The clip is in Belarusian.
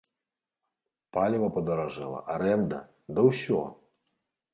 Паліва падаражэла, арэнда, да ўсё!